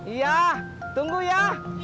iya tunggu ya